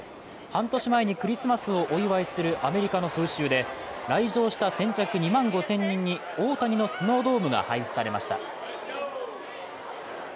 半年前にクリスマスをお祝いするアメリカの風習で、来場した先着２万５０００人に大谷のスノードームが配布されました。